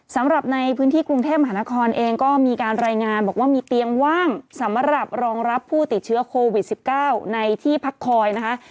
สำหรับในพื้นที่กรุงเทพมหานครเองก็มีการรายงานบอกว่ามีเตียงว่างสำหรับรองรับผู้ติดเชื้อโควิด๑๙ในที่พักคอยนะคะ